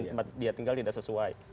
tempat dia tinggal tidak sesuai